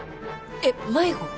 えっ迷子？